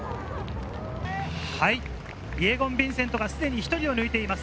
イェゴン・ヴィンセントがすでに１人を抜いています。